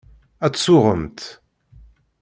Ad tsuɣemt.